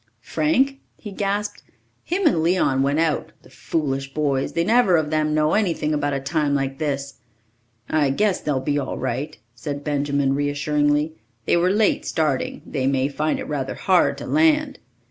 "Frank?" he gasped. "Him and Leon went out, the foolish boys! They neither of them know anything about a time like this." "I guess they'll be all right," said Benjamin reassuringly. "They were late starting. They may find it rather hard to land."